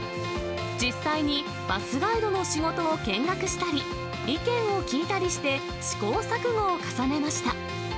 実際に、バスガイドの仕事を見学したり、意見を聞いたりして、試行錯誤を重ねました。